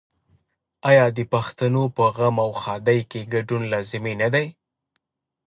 آیا د پښتنو په غم او ښادۍ کې ګډون لازمي نه وي؟